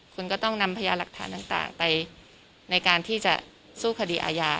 คุณก็ต้องนำพยาหลักฐานต่างไปในการที่จะสู้คดีอาญา